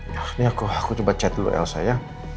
ini aku aku coba chat dulu elsa ya